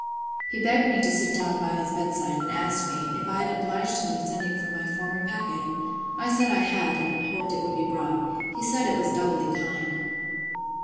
He begged me to sit down by his bed side, and asked me, if I had obliged him with sending for my former packet? I said I had, and hoped it would be brought. He said it was doubly kind.